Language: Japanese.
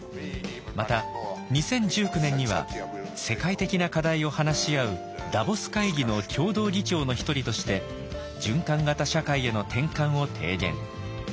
また２０１９年には世界的な課題を話し合うダボス会議の共同議長の一人として循環型社会への転換を提言。